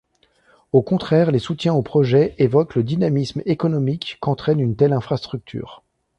Au contraire, les soutiens au projet évoquent le dynamisme économique qu'entraîne une telle infrastructure.